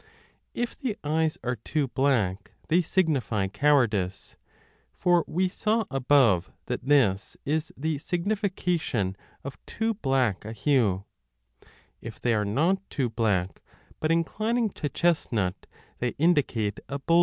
If the eyes are too black, they signify cowardice, for we saw above 8ia b that this is the signification of too black a hue : if they are not too black, but inclining to chestnut, they indicate a bold 1 8l2 a 12.